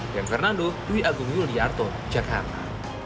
dan fernando dwi agung yuliarto jakarta